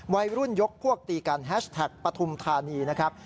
วัยรุ่นยกพวกตีกันแฮชแท็กปฐุมธานีนะครับ